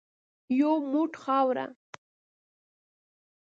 یو موټ خاوره .